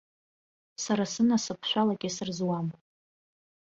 Сара сынасыԥ шәалакьысыр зуам!